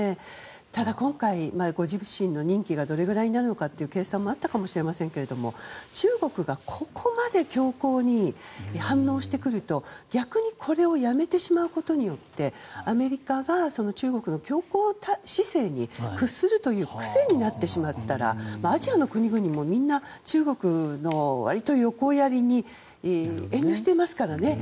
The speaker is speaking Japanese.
ただ、今回ご自身の任期がどれぐらいになるのかという計算もあったかもしれませんが中国がここまで強硬に反応してくると、逆にこれをやめてしまうことによってアメリカが中国の強硬姿勢に屈するという癖になってしまったらアジアの国々も、中国の横やりに遠慮していますからね。